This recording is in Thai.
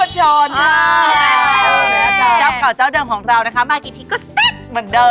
เจ้าก่อนเจ้าเดิมของเรานะคะมากี่ทีก็เส้น